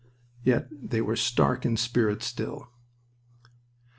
Yet they were stark in spirit still.